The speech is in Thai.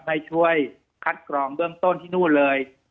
ให้ช่วยคัดกรองเบื้องต้นที่นู่นเลย